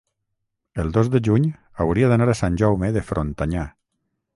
el dos de juny hauria d'anar a Sant Jaume de Frontanyà.